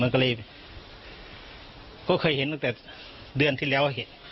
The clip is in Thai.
มันก็เลยก็เคยเห็นตั้งแต่เดือนที่แล้ว